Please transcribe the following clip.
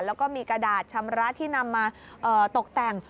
แล้วก็มีกระดาษชำระที่นำมาตกแต่ง